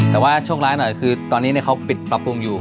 แต่ว่าโชคร้ายหน่อยคือตอนนี้เขาปิดปรับปรุงอยู่